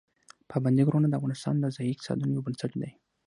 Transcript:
پابندي غرونه د افغانستان د ځایي اقتصادونو یو بنسټ دی.